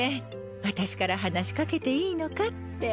私から話しかけていいのかって。